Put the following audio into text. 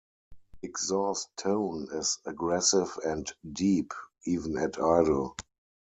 Exhaust tone is aggressive and deep, even at idle.